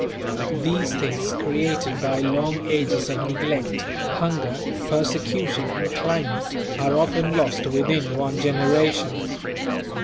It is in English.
These things created by long ages of neglect, hunger, persecution and climate, are often lost within one generation.